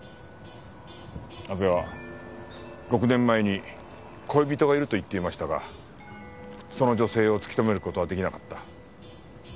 阿部は６年前に恋人がいると言っていましたがその女性を突き止める事は出来なかった。